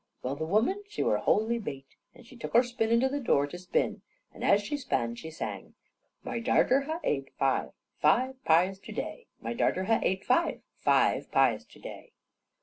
Well, the woman she were wholly bate, and she took her spinnin' to the door to spin, and as she span she sang: "My darter ha' ate five, five pies to day My darter ha' ate five, five pies to day."